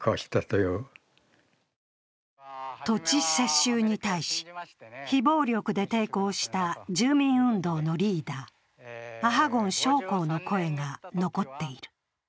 土地接収に対し非暴力で抵抗した住民運動のリーダー・阿波根昌鴻の声が残っている。